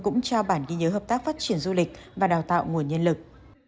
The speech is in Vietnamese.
cũng trao bản ghi nhớ hợp tác phát triển du lịch và đào tạo nguồn nhân lực